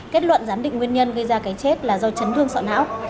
kết luận giám định nguyên nhân gây ra cái chết là do chấn thương sọ não